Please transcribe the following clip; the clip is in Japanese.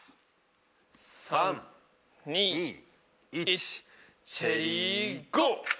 ３２１チェリーゴー！